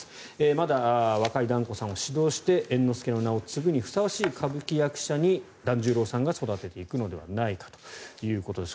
まだ若い團子さんを指導して猿之助の名を継ぐにふさわしい歌舞伎役者に團十郎さんが育て上げていくのではないかということです。